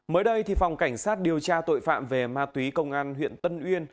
mới đây phòng cảnh sát điều tra tội phạm về ma túy công an huyện tân uyên